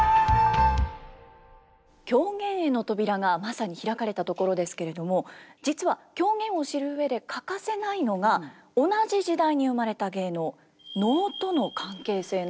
狂言への扉がまさに開かれたところですけれども実は狂言を知る上で欠かせないのが同じ時代に生まれた芸能能との関係性なんです。